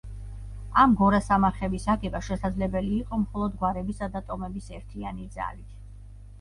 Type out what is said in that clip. ამ გორასამარხების აგება შესაძლებელი იყო მხოლოდ გვარებისა და ტომების ერთიანი ძალით.